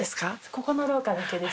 ここの廊下だけです。